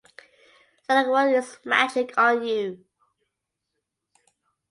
Let it work its magic on you.